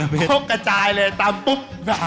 ชกกระจายเลยตามปุ๊บ